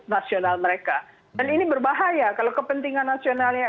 nasional mereka dan ini berbahaya kalau kepentingan nasionalnya